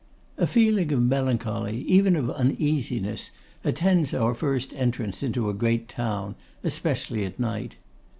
A feeling of melancholy, even of uneasiness, attends our first entrance into a great town, especially at night.